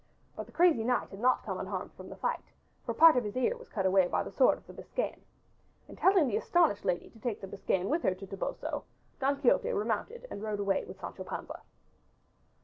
But the crazy knight had not come unharmed from the fight, for part of his ear was cut away by the sword of the Biscayan. And telling the astonished lady to take the Biscayan with her to Toboso, Don Quixote remounted and rode away with Sancho Panza.